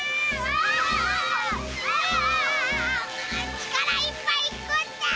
力いっぱい引くんだ！